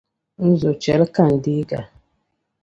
Nzo chɛli ka n-deega.